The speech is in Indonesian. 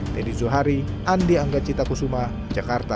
teddy zuhari andi angga cita kusuma jakarta